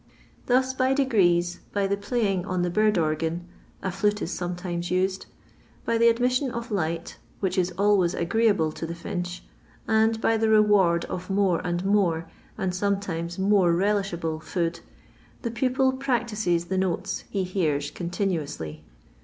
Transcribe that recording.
Thus, by degrees, by the playing OB the bird organ (a flute is sometimes used), by the admission of light, which is always agreeable to the finch, and by the reward of more and more, sod sometimes more relishable food, the pupil "practises the notes he hears continuously.